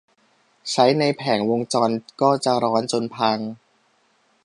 ใช้ไปแผงวงจรก็จะร้อนจนพัง